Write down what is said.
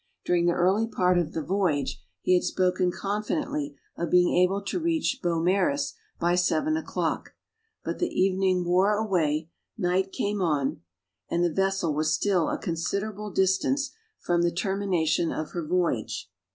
During the early part of the voyage, he had spoken confidently of being able to reach Beaumaris by seven o'clock; but the evening wore away, night came on, and the vessel was still a considerable distance from the termination of her voyage.